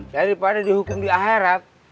daripada dihukum di akhirat